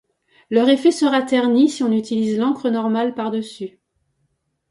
Leur effet sera terni si on utilise l'encre normale par-dessus.